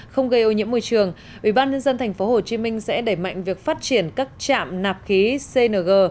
không gây ô nhiễm môi trường ủy ban nhân dân tp hcm sẽ đẩy mạnh việc phát triển các trạm nạp khí cng